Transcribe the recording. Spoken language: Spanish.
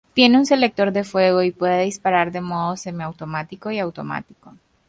Tiene un selector de fuego y puede disparar en modo semiautomático y automático.